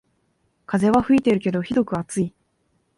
風は吹いてるけどひどく暑い